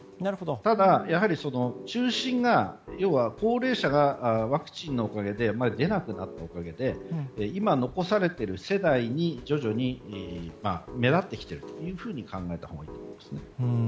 ただ、やはり中心が高齢者はワクチンのおかげで出なくなったおかげで今残されている世代に徐々に目立ってきているというふうに考えたほうがいいですね。